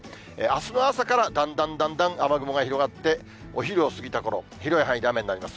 あすの朝からだんだんだんだん雨雲が広がって、お昼を過ぎたころ、広い範囲で雨になります。